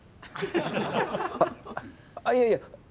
あっいやいや！